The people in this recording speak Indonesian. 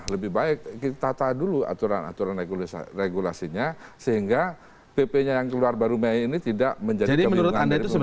lebih baik kita tata dulu aturan aturan regulasinya sehingga pp nya yang keluar baru mei ini tidak menjadi kebingungan dari pemerintah